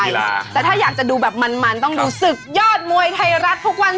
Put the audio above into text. ใช่ล่ะแต่ถ้าอยากจะดูแบบมันต้องดูศึกยอดมวยไทยรัฐทุกวัน